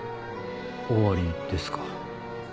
終わりですか？